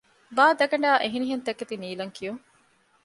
ބާދަގަނޑާއި އެހެނިހެން ތަކެތި ނީލަން ކިޔުން